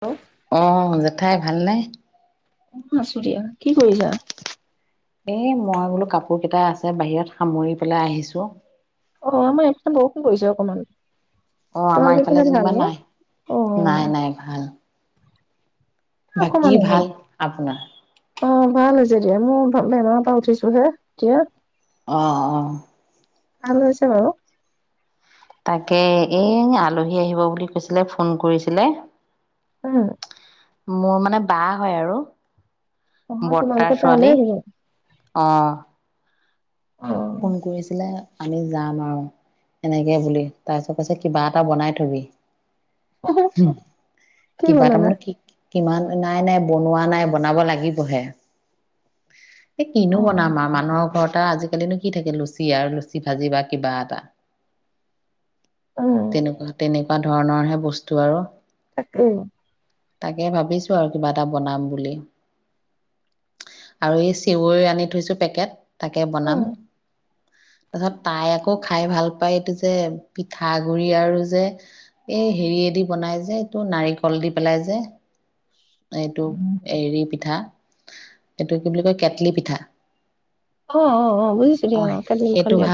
অ অ জেঠাই ভালনোই অ আছো দিয়া কি কৰিছা? এই মই বোলো কাপোৰ কেইটা আছে বাহিৰত সামৰি পেলাই আহিছো। অ আমাৰ এইফালে বৰষুণ পৰিছে অকমান। অ আমাৰ তোমালোকৰ ইফালে ফালে ভাল যেনিবা ন? নাই, অ', নাই নাই ভাল এ বাকী অকমান আগত ভাল আপোনাৰ? অ ভাল হৈছে দিয়া মোৰ বেমাৰৰ পৰা উঠিছো হে এতিয়া আহঁ অঁ আ মছ ম তাকে এ আলহী আহিব বুলি কৈছিলে ফোন কৰিছিলে অ মোৰ মানে বা হয় আৰু অ বৰ্তাৰ তোমালোকৰ ত ছোৱালী হ'লে আহ অঁ ফোন অ', কৰিছিলে আমি যাম আৰু এনেকে বুলি তাৰপিছত কৈছে কিবা এটা বনাই থবি। কি ব তাৰ মানে কি কিমান নাই নাই বনোৱা নাই বনাব লাগিবহে এই কিনো অ', বনাম আৰু মানুহৰ ঘৰত আজিকালি ন কি থাকে লুচি আৰু লুচি ভাজি বা কিবা এটা উম, তেনেকুৱা, তেনেকুৱা বা ধৰণৰ হে বস্তু আৰু তাক উম তাকে ভাবিছো আৰু কিবা এটা বনাম বুলি আৰু এই চেৱৈ আনি থৈছো পেকেট। তাকে উম, বনাম তাৰছত তাই আকৌ খাই ভাল পায় এইটো যে পিঠাগুৰি আৰু যে এই হেৰিয়েদি বনাই যে এইটো নাৰিকল দি পেলাই যে এইটো এৰী পিঠা এইটো কি বুলি কয় কেটলি পিঠা। অ, অ, অ বুজিছো দিয়া অ কেই মুখন দিয়া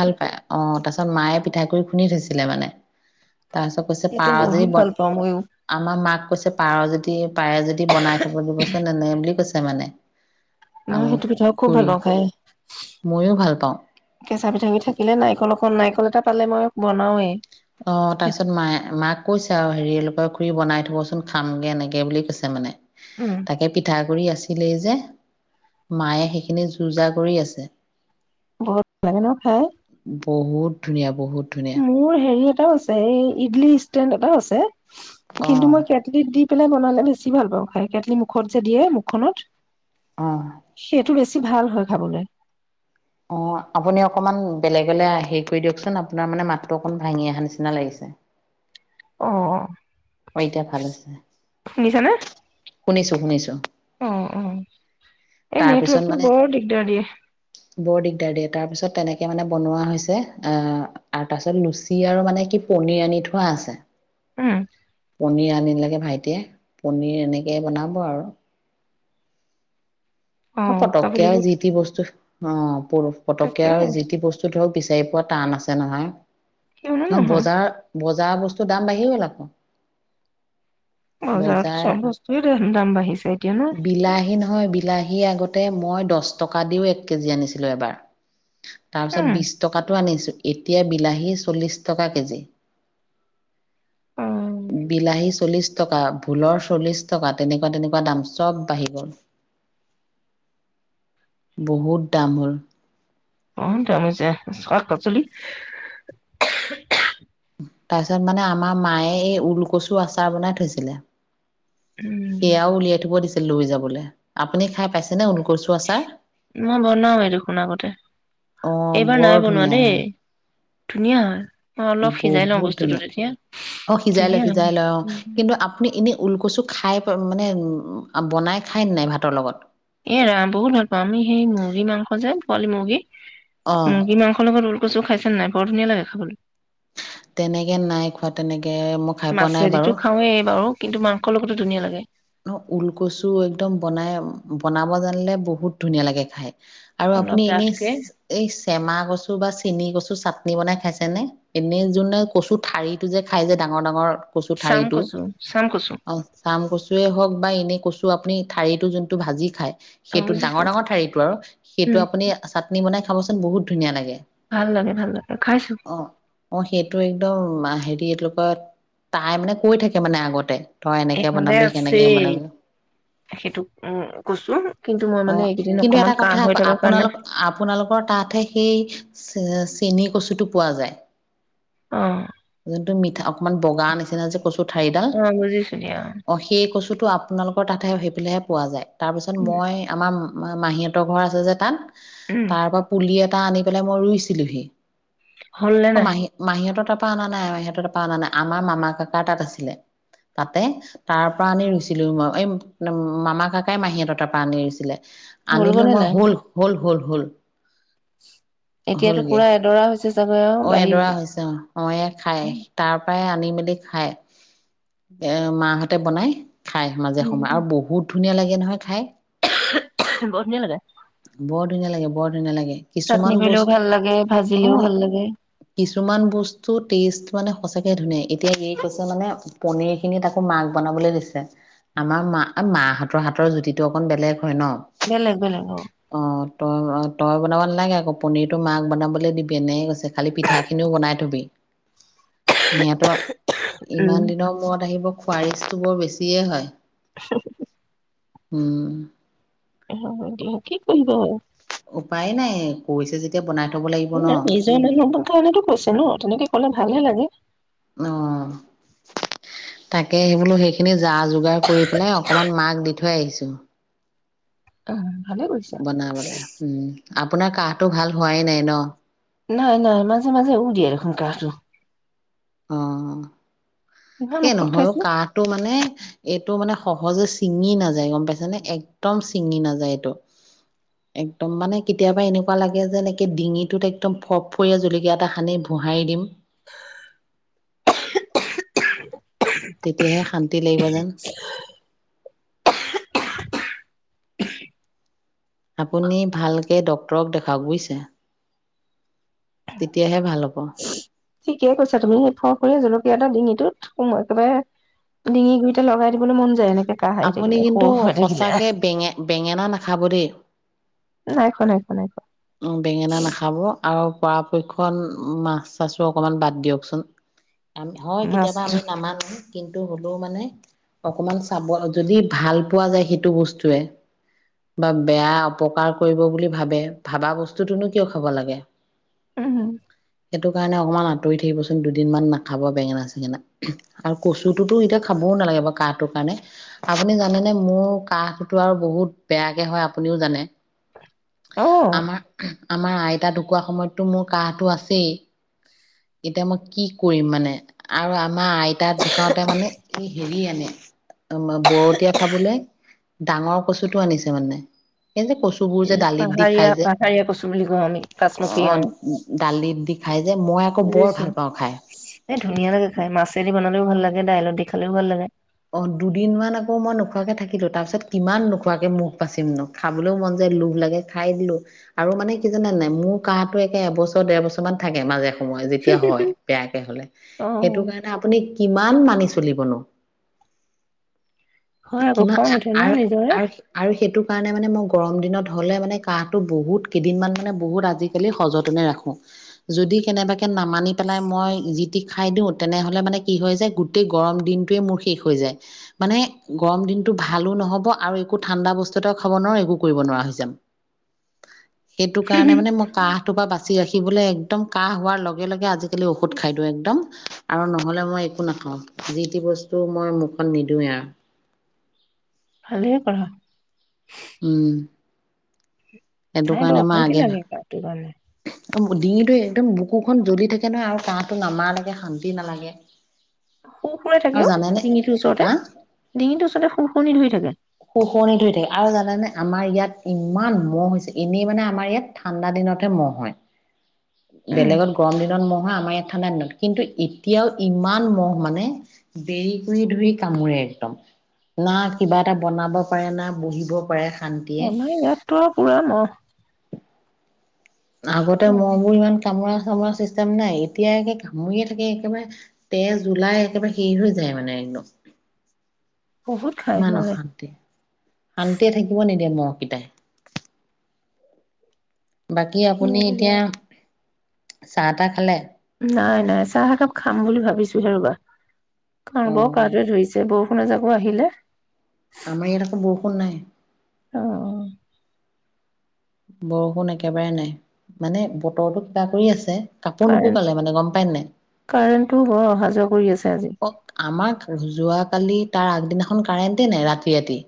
তাৰিছত মায়ে পিঠা কৰি খুন্দনি থৈছিলে মানে তাৰপিছত কৈছে সেইটো পাৰ বহুত যদি ভাল বন পাওঁ মইও আমাৰ মাক কৈছে পাৰ যদি পাৰে যদি বনাই থব দিবচোন এনে বুলি কৈছে মানে নহ আৰু সেইটো পিঠাও খুব ভাল খুৰী পাওঁ খায়, ময়ো ভাল পাওঁ কেঁচা পিঠাি থাকিলে নাইিকল নাৰিকল এটা পালে মই বনাওৱেই অ তাৰ সেইটো পিছত মায়ে মাক কৈছে আৰু হেৰিলৰ খুৰী বনাই থ কবচোন খামগে এনেকে বুলি কৈছে মানে উম, তাকে পিঠা যে মায়ে সেইখিনি যো যা কৰি আছে বৰ লাগে ন খাই [unintelligible] বহুত ধুনীয়া বহুত ধুনীয়া মোৰ হেৰি এটাও আছে এই ইডলি ষ্টেণ্ড এটাও আছে অ কিন্তু মই কেটলিত দি পেলাই বনালে বেছি ভাল পাওঁ খাই কেটলি মুখত যে দিয়ে মুখখনত অ সেইটো বেছি বে ভাল হয় খাবলৈ বেলেগলৈ হেৰি কৰি দিয়কচোন আপোনাৰ মানে মাতটো অকমান ভাঙি অহা নিচিনা লাগিছে অ অ অ এতিয়া ভাল হৈছে শুনিছোঁ শুনিছোঁ অ অ এই তাৰপিছত নেটৱৰ্কটো মানে বৰ দিগদাৰ দিয়ে বৰ দিগদাৰ দিয়ে তাৰ পিছত তেনেকে মানে বনোৱা হৈছে আহ আৰু তাৰপিছত লুচি আৰু মানে কি পনিৰ আনি থোৱা আছে উম পনীৰ আনিলোগে ভাইটিয়ে পনীৰ এনেকৈ বনাব আৰু অ', কাবুলী পটকীয়া বুট জিতি বস্তু অম তাকে পটকীয়াাৰ যিি বস্তু ধৰক বিচাৰি পোৱা টান আছে জনহ কিয়নো ন নহয় বজাৰ বজ যা বস্তুৰ দাম বাঢ়ি লাব বজাৰত চব বস্তু দাম বাঢ়িছে এতিয়া ন বিলাহী নহয় বিলাহী আগতে তে মই দহ টকা দিও এক কেজি আনিছিলোঁ এবাৰ তাৰ পিছত উম বিশ টকাাতটো আনিছো এতিয়া বিলাহী চল্লিছ টকা কেজি অ ভোুলৰ চল্লিশ টকা তেনেকুৱা তেনেকুৱা দাম চব বাঢ়ি গ'ল বহুত দাম হ'ল। অ' দাম হৈছে [unintelligible] পাচলি। তাৰপিছত মানে আমাৰ মায়ে এই ওলকচু আচাৰ বনাই থৈছিলে। উম সেয়াও উলিয়াই থব দিছিল লৈ যাবলে। আপুনি খাই পাইছে নে [unintelligible] মই বনাও য়ে দেখোন আগতে অ' এইবাৰ বৰ নাই বনোৱা ধুনীয়া দেই। হয়, ধুনীয়া হয়। মই অলপ সিজাই লওঁ বহুত বস্তুটো ধুনীয়া। তেতিয়া অ সিজাই লয় ধুনীয়া - সিজাই লয় অ', কিন্তু আপুনি এনেই ঊলকুচু খাই মানে বনাই খায় নে নাই ভাতৰ লগত? এ ৰাম বহুত ভাল পাওঁ আমি সেই মুৰ্গী মাংস যেন পোৱালী মুৰ্গী অ' মুৰ্গী মাংসৰ লগত ঊলকচু [unintelligible] নাই বৰ ধুনীয়া লাগে খাবলৈ। তেনেকে নাই খোৱা তেনেকে মই খাই পোৱা নাই মাছেদিতো বাৰু। খাওঁৱেই বাৰু কিন্তু মাংসৰ লগতো ধুনীয়া লাগে। ন ওলকচু একদম বনাই - বনাব জানিলে বহুত ধুনীয়া লাগে খাই। আৰু অলপ আপুনি এনেই ডাঠকে এই চেমা কচু বা চেনি কচু চাত [unintelligible] বনাই খাইছে নে? এনেই যোনে কচু ঠাৰি টো যে খাই যে ডাঙৰ ডাঙৰ কচু ঠাৰি চাম টো। কচু চাম কচু অহ চাম কচু। হওক বা এনেই কচু আপুনি ঠাৰিটো যোনটো ভাজি খায় অ সেইটো বুজিছো ডাঙৰ-ডাঙৰ ঠাৰিটো আৰু, সেইটো উম আপুনি চাটনি বনাই খাবচোন বহুত ধুনীয়া লাগে। ভাল লাগে ভাল লাগে খাইছো অ' - অ' সেইটো একদম [unintelligible] [unintelligible] তাই মানে কৈ থাকে মানে আগতে তই এনেকৈ এইফালে বনাবি কেনেকে। আছেই [unintelligible] সেইটো উম কচু কিন্তু মই মানে অ'। এইকেইদিন কিন্তু অকমান এটা কাহ কথা হৈ আকৌ থকাৰ কাৰণে আপোনালোক - আপোনালোকৰ তাতহে সেই চেনী কচুটো পোৱা যায়। অ যোনটো মিঠা [unintelligible] [unintelligible] বগা নিচিনা যে কচু অ' বুজিছোঁ দিয়া। এই কচু টো আপোনালোকৰ তাতহে সেইফালেহে পোৱা যায়। তাৰপিছত উম মই আমাৰ মা - মাহীহতৰ ঘৰ আছে যে তাত উম, তাৰ পৰা পুলি এট টা আনি পেলাই মই ৰুইছিলোহি। হ'ল নে অ নাই মাহী- মাহীঁতৰ তাত পা না নাই সিততে পা না নাই। আমাৰ মামা কাকাৰ তাত আছিলে। তাতে তাৰপৰা আনি ৰুইছিলোঁ মই। এই মামা কাকাই মাহীঁতৰ তাৰপৰা আনি ৰুইছিলে। হ'ল আনিলো গ'ল নে মই নাই হ'ল-হ'ল-হ'ল। হল এতিয়াতো হলগে। পুৰা এডৰা হৈছে চাগৈ আৰু অ বাঢ়ি এডৰা হৈছে। অ অয়ে চ্ছচ্ছখাই। তাৰ পৰাই আনি মেলি খায়। এ মাহ তাতে বনাই। খাই মাজে সময়ে উম আৰু বহুত ধুনীয়া লাগে নহয় খাই। বৰ ধুনীয়া লাগে। বৰ ধুনীয়া লাগে বৰ ধুনীয়া লাগে। কিছুমান চাটনি কৰিলেও ভাল লাগে, বস্তু--অ ভাজিলেও ভাল লাগে, কিছুমান বস্তু টেষ্ট মানে সঁচাকে ধুনীয়া। এতিয়া কি কৈছে মানে পনীৰ খিনিত আকৌ মাছ বনাবলৈ দিছে। আমাৰ মা মাহতৰ হাতৰ জুতিটো অকন বেলেগ। হয়। ন বেলেগ বেলেগ অ তই তই বনাব নালাগে আকৌ। পনীৰটো মাক বনাবলৈ দিবি এনেই কৈছে। খালি পিঠাখিনিও বনাই থ'বি। নত [unintelligible] ইমান উম দিনৰ মূৰত আহিব খোৱাৰ ইচ্ছা বৰ বেছিয়ে হয়। হুমহু উম এ হ'ব দিয়ক কি কৰিব উপায় নাই কৈছে যেতিয়া বনাই থব লাগিব ন নিজৰ মানুহ কাৰণেতো কৈছে ন? তেনেকে ক'লে ভালহে লাগে। অ তাকে সেই বোলো সেইখিনি যা যোগাৰ কৰি পেলাই অকনমান মাক দি থৈ আহিছোঁ। অ ভালে কৰিছা। বনাবলে উম। আপোনাৰ কাহটো ভাল হোৱাই নাই ন? নাই-নাই মাজে-মাজে উহ দিয়ে দেখোন কাঁহটো। অ এই ঔষধ নহয় অ খাইছো। কাঁহটো মানে এইটো মানে সহজে ছিঙি নাযায় গম পাইছা নে একদম ছিঙি নাযায় এইটো। একদম মানে কেতিয়াবা এনেকোৱা লাগে যেনে একে ডিঙিটোত একদম ফফফৰীয়া জলকীয়া এটা সানি ভোহাৰি দিম। তেতিয়াহে শান্তি লাগিব যেন। আপুনি ভালকে ড্ক্তৰক দেখাওক বুজিছে? তেতিয়াহে ভাল হ'ব। ঠিকেইে কৈছা তুমিফৰ স জলকীয়া এটা ডিঙিটো একেবাৰে ডিঙি গুৰিতে লগাই দিবলৈ মন যায় এনেকে। কাহ আহি আপুনি থাকিলে কিন্তু সৰু হৈ থাকিলে সচাকে বেঙে বেঙেনা নাখাব দেই। নাই খোৱা নাই খোৱা নাই খোৱা। বেঙেনা নাখাব। আৰু পৰাপক্ষত মাছ চাছো অকমান বাদ দিয়কচোন। হয় কেতিয়াবা মাছটো আমি নামানো। কিন্তু হ'লেও মানে অকমান চাব যদি ভাল পোৱা যায় সেইটো বস্তুৱে বা বেয়া অপকাৰ কৰিব বুলি ভাবে ভাবা বস্তুটোনো কিয় খাব লাগে? উম সেইটো কাৰণে অকণমান আঁতৰি থাকিবচোন দুদিন মমান নাখাব অকণমান আঁতৰি থাকিবসোণ দুদিন মান নকাহবো বেঙেনা চেঙেনা। আৰু কচুটোতো এতিয়া খাবও নাগে কাহটোৰ কাৰণে। আপুনি জানেনেে? মোৰ কাহতো আৰু বহুত বেয়াকে হয় আপুনিও জানে। অ আমাৰ আমাৰ আইতা ঢুকোৱাৰ সময়ততো মোৰ কাহটো আছেই! এতিয়া মই কি কৰিম মানে? আৰু আমাৰ আইতাৰ দোকতে মানে এই হেৰি আনে বৰতীয়া ফাবলৈ ডাঙৰ কচুটো আনিছে মানে। যে কচু বোৰ যে দালিত দি খাই পাহাৰীয়া যে? পাহাৰীয়া কচু বুলি কওঁ আমি পাঁচমুখী অ দালিত দি খাই যে? মই বৰ বুছো ভাল পাওঁ খাই এ ধুনীয়া লাগে খাই। মাছেদি বনালেও ভাল। ভাল লাগে দাইলততি খালেও ভাল লাগে। অ দুদিনমান আকৌ মই নোখোৱাকে থাকিলো তাৰপিছত দুদিন মান আকৌ মই নোখোৱা কে থাকিলোঁ। তাৰপিছত কিমান নোখোৱাকে মুখ বাাচিম নো? খাবলৈও মন যায় লোভ লাগে খাই দিলো। আৰু মানে কি জানে নাই? মোৰ কাহো একে এবছৰ ডেৰ বছৰ মান থাকে। মাজে য় যেতিয়া হয় বেয়াকে হলে। অ সেইটো কাৰণ আপুনি কি? ইমান মানি চলিব ন? হয় আকৌ কিমান খং উঠে ন নিজৰে আৰু-আৰু-আৰু সেইটো কাৰণে মানে মই গৰম দিনত হ'লে মানে কাহটো বহুত কেইদিনমান মানে গৰম দিনত হলে মানে কাঁহটো বহুত কেইদিনমান মানে বহুত আজিকালি সযতনে ৰাখো। যদি কেনেবাকে নামানি পেলাই মই যি টি খাই দিওঁ, তেনেহলে মানে কি হয় যায় গোটেই গৰম দিনটোৱে মোৰ শেষ হৈ যায়। মানে গৰম দিনতটো ভালো নহ'ব আৰু একো ঠাণ্ডা বস্তু এটাও খাব নোৱাৰো একো কৰিব নোৱাৰা হৈ যাম। সেইটো কাৰণে মানে মই কাহ পা বাচি ৰাখিবলৈ একদম কাহ হোৱাৰ লগে-লগে আজিকালি ঔষধ খাই দিওঁ একদম আৰু নহলে মই একো নাখাওঁ, যি টি বস্তু মই মুখত নিদিওঁৱে আৰু। হাল পঢ়া। উম সেইটো নাই বাৰু কাৰণে মই অশান্তি আগে লাগে গাটো কাৰণে। ভ। ডিঙিটো একদম বুকুখন জ্বলি থাকে নহয়, আৰু কাহটো নামাৰ লাগে শান্তি নালাগে। শু ফুৰে আৰু থাকেও জানেনে ডিঙিটোৰ ওচৰতে, হা ডিঙিটোৰ ওচৰতে শু শুৰণনি ধৰি থাকে। শুকনি থৈ থাকে আৰু জানোনে, আমাৰ ইয়াত ইমান মহ হৈছে, এনেই মানে আমাৰ ইয়াত ঠাণ্ডা দিনতহে মহ হয়। উম। বেলেগত গৰম দিনত নহয় আমাৰ ইয়াত দিনত কিন্তু এতিয়াও ইমান মহ মানে, দেৰি কৰি ধৰি কামোৰে একদম। না কিবা এ এটা বনাব পাৰে না বহিব পাৰে শান্তিয়ে। আমাৰ ইয়াততো আৰু পুৰা ন? আগতে মই বোৰ ইমান কামৰ ৰ চিষ্টেম নাই এতিয়া একে ঘুৰিয়ে থাকে একেবাৰে তেজ জুলাই একেবাৰে শেষ হৈ যায় মানে একদম। বহুত খাই ইমান মহে। অশান্তি শান্তিয়ে থাকিব নিদিয়ে মহ ি [unintelligible] তাই বাকী আপুনি এতিয়া। চাহ তাহ খালে? নাই নাই চাহ একাপ খাম বুলি ভাবিছো হে ৰবা! কাৰণ অ ব কাগতৰিছে বুত। কোনে জাকো আহিলে। আমাৰ ইৰক বৰষুণ নাই। অ, অ বৰষুণ একেবাৰে নাই মানে বতৰৰতো কিবা কৰি আছে। কাপোৰ কাৰেণ্ট নুশুকালে মানে গম পায় নাই কাৰেণ্টটো অ অহা যোৱা কৰি আছে। আজি অ আমাক ৰো যোৱা। কালি তাৰ আগদিনাখন কাৰেণ্টে নাই ৰাতি, ৰাতি।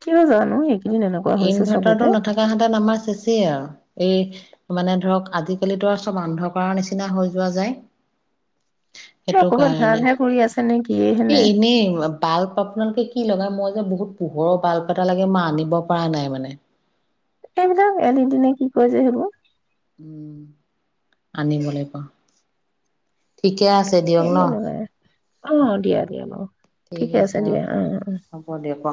কিয় জানো এইকেইদিন এনেকুৱা হৈছে ইনভাৰ্টাৰটো চবতে। নথকা হাতত আমাৰ শেষেই আৰু এই মানে ধৰক আজিকালিতো আৰু চব অন্ধকাৰ নিচিনা হৈ যোৱা যায়। কিবা সেইটো ক'ৰবাত কাৰণে ঘাঁহ-ঘাঁহ কৰি আছে নে কিয়ে এ হেনে এনে বাল্ব আপোনালোকে স লগাই মই যে বহুত পোহৰৰ বাল। এটা লাগে মই আনিব পৰা নাই মানে। এইবিলাক এদ দিনে কি কয় যে সেইবোৰ উম আনিবলৈ কাওঁ ঠিক ঠিকে আছে দিয়ক ন। সেইবোৰে লগাই অ দিয়া দিয়া অ ঠিক ঠিকে আছে অ দিয়া অ'। হ'ব দিয়ক অ।